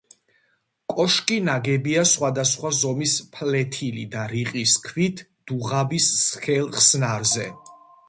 კოშკი ნაგებია სხვადასხვა ზომის ფლეთილი და რიყის ქვით დუღაბის სქელ ხსნარზე.